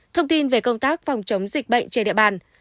thông tin về công tác phòng chống dịch bệnh trên địa bàn